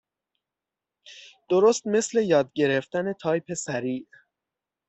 درست مثل یاد گرفتن تایپ سریع.